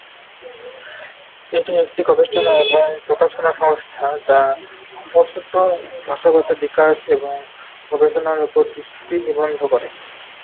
এটি একটি গবেষণা এবং প্রকাশনা সংস্থা যা পশতু ভাষাগত বিকাশ এবং গবেষণার উপর দৃষ্টি নিবদ্ধ করে।